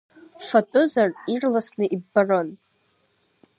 Фатәызар, ирласны иббарын.